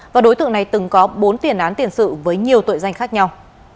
và đối tượng này từng có bốn tiền án tiền sự với nhiều tội danh khác nhau